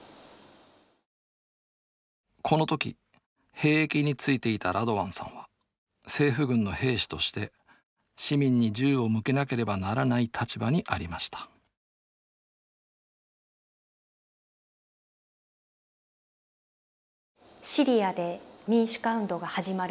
この時兵役についていたラドワンさんは政府軍の兵士として市民に銃を向けなければならない立場にありましたシリアで民主化運動が始まるわけです。